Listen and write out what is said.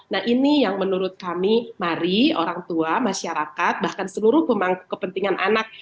nah ini yang menurut kami mari orang tua masyarakat bahkan seluruh pemangku kepentingan anak